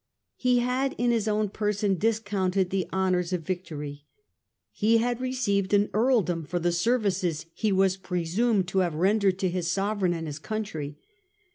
He had in Ms own person discounted the honours of victory. He had received an earldom for the services he was presumed to have rendered to Ms sovereign and Ms country.